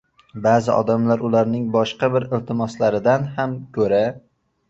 Ba’zi odamlar ularning boshqa bir iltimoslaridan ham ko‘ra